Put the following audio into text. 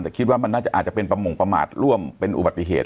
แต่คิดว่ามันน่าจะอาจจะเป็นประมงประมาทร่วมเป็นอุบัติเหตุ